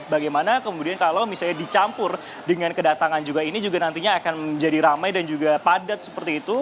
bagaimana kemudian kalau misalnya dicampur dengan kedatangan juga ini juga nantinya akan menjadi ramai dan juga padat seperti itu